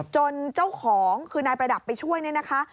จนเจ้าของคือนายประดับไปช่วยเนี่ยนะคะ